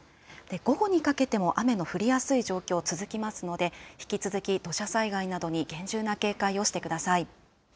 午後にかけても、雨の降りやすい状況続きますので、引き続き土砂災害などに厳重な警戒をしてください。